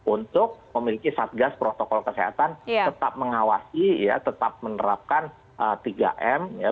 untuk memiliki satgas protokol kesehatan tetap mengawasi tetap menerapkan tiga m ya